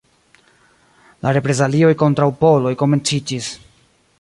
La reprezalioj kontraŭ poloj komenciĝis.